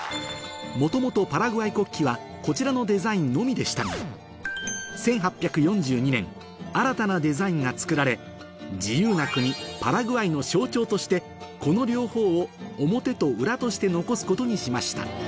元々パラグアイ国旗はこちらのデザインのみでしたが自由な国パラグアイの象徴としてこの両方を表と裏として残すことにしました